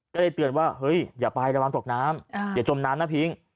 ก็เลยเตือนว่าเฮ้ยอย่าไประวังตกน้ำอย่าจมน้ำนะพิ้ง